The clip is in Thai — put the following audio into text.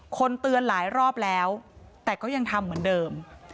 คนเตือนหลายรอบแล้วแต่ก็ยังทำเหมือนเดิม